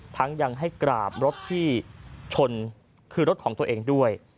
ยังให้กราบรถที่ชนคือรถของตัวเองด้วย